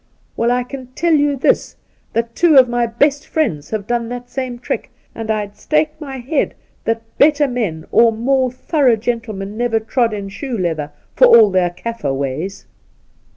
Well, I can teU you this, that two of my best friends have done that same trick, and I'd stake my head that better men or more thorough gentle men never trod in shoe leather, for all their Kaffir ways.'